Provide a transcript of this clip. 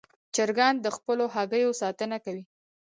چرګان د خپلو هګیو ساتنه کوي.